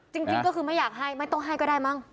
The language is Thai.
จริงก็คือไม่อยากให้ไม่ต้องให้ก็ได้มั้ง